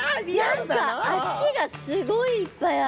何か脚がすごいいっぱいある。